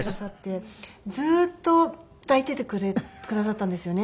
ずっと抱いていてくださったんですよね。